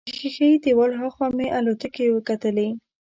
د ښیښه یي دیوال هاخوا مې الوتکې وکتلې.